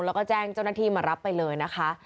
หรือแดงเจ้าหน้าที่มารับไปเลยนะค่ะ